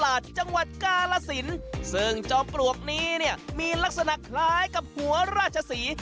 จังหวัดกาลสินซึ่งจอมปลวกนี้เนี่ยมีลักษณะคล้ายกับหัวราชศรี